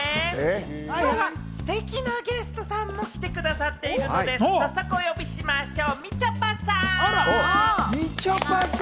今日はステキなゲストさんも来てくださっているので、早速お呼びしましょう。